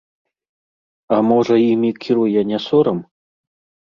А можа, імі кіруе не сорам?